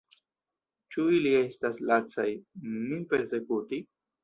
Ĉu ili estas lacaj, min persekuti?